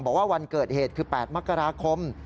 บอกว่าวันเกิดเหตุคือ๘มกราคม